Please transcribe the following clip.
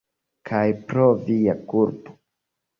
Kaj pro via kulpo.